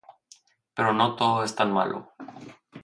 Pero no todo es tan malo.